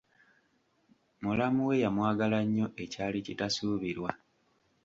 Mulamu we yamwagala nnyo ekyali kitasuubirwa.